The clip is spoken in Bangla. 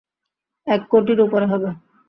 এক কোটির ওপরে হবে?